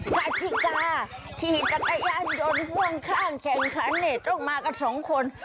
กาฏีกาขี่คลักยันยนต์พวกฆ่าแข่งคันต้องมากับสองคน